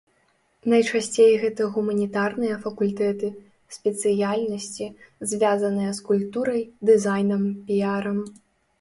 Найчасцей гэта гуманітарныя факультэты, спецыяльнасці, звязаныя з культурай, дызайнам, піярам.